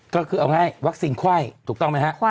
ก็คือเอาง่ายวัคซีนไข้ถูกต้องไหมฮะ